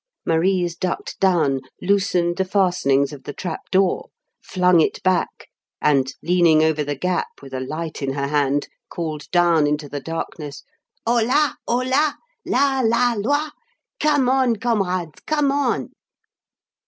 Marise ducked down, loosened the fastenings of the trap door, flung it back, and, leaning over the gap with a light in her hand, called down into the darkness, "Hola! Hola! La! la! loi! Come on, comrades, come on!"